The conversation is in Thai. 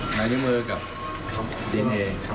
นายเรียกมือกับดินเองครับผม